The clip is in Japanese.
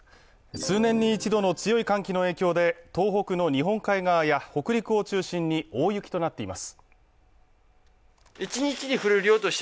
数年に一度の強い寒気の影響で、東北の日本海側や北陸を中心に大雪となっています。